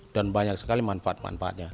dan banyak sekali manfaat manfaatnya